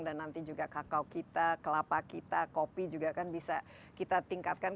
dan nanti juga kakao kita kelapa kita kopi juga kan bisa kita tingkatkan